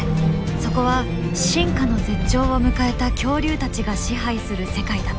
そこは進化の絶頂を迎えた恐竜たちが支配する世界だった。